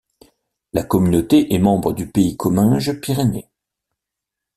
La communauté est membre du Pays Comminges Pyrénées.